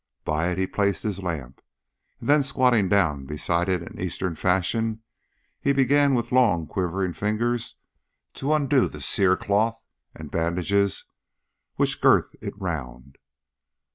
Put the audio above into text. By it he placed his lamp, and then squatting down beside it in Eastern fashion he began with long quivering fingers to undo the cerecloths and bandages which girt it round.